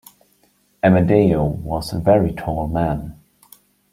Amedeo was a very tall man.